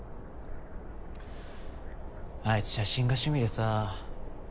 あいつ写真が趣味でさ。